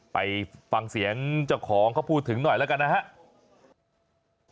ไปฟังเสียงเจ้าของเขาพูดถึงหน่อยแล้วกันนะครับ